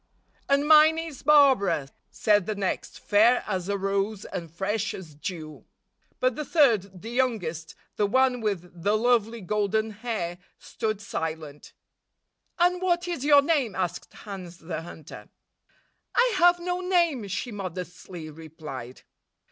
"And mine is Barbara," said the next, fair as a rose and fresh as dew. But the third, the youngest, the one with the lovely golden hair, stood silent. "And what is your name?" asked Hans the Hunter. " I have no name," she modestly replied.